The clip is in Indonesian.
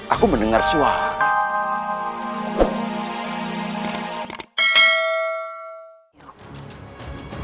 aku mendengar suara